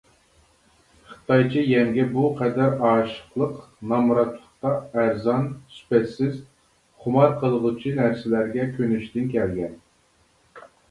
خىتايچە يەمگە بۇ قەدەر ئاشىقلىق نامراتلىقتا ئەرزان، سۈپەتسىز، خۇمار قىلغۇچى نەرسىلەرگە كۆنۈشتىن كەلگەن.